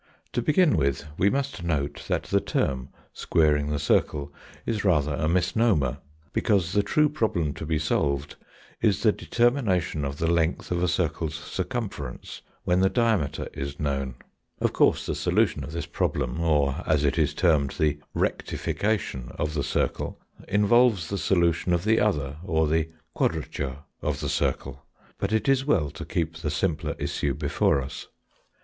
To begin with, we must note that the term 'squaring the circle' is rather a misnomer; because the true problem to be solved is the determination of the length of a circle's circumference when the diameter is known. Of course, the solution of this problem, or, as it is termed, the rectification of the circle, involves the solution of the other, or the quadrature, of the circle. But it is well to keep the simpler issue before us.